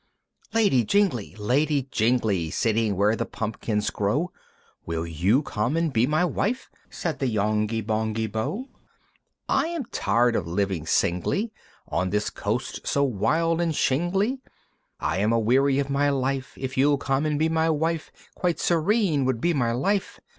"Lady Jingly! Lady Jingly! "Sitting where the pumpkins grow, "Will you come and be my wife?" Said the Yonghy Bonghy Bò. "I am tired of living singly, "On this coast so wild and shingly, "I'm a weary of my life; "If you'll come and be my wife, "Quite serene would be my life!"